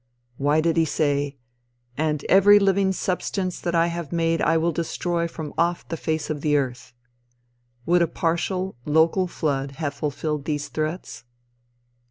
Why did he say "And every living substance that I have made will I destroy from off the face of the earth?" Would a partial, local flood have fulfilled these threats?